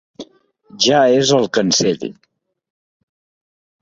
Ja és al cancell.